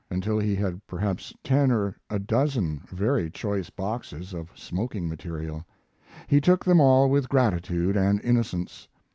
until he had perhaps ten or a dozen very choice boxes of smoking material. He took them all with gratitude and innocence.